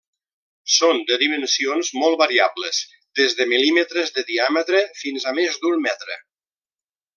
Són de dimensions molt variables, des de mil·límetres de diàmetre fins a més d'un metre.